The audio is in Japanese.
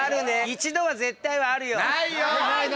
一度は絶対はあるよ。